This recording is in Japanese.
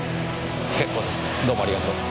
結構です。